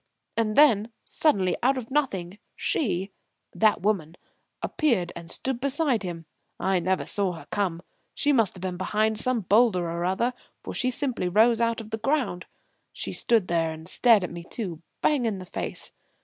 And then, suddenly out of nothing she that woman appeared and stood beside him. I never saw her come. She must have been behind some boulder or other, for she simply rose out of the ground. She stood there and stared at me too bang in the face.